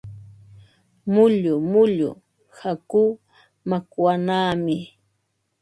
Mullu mullu hakuu makwanaami.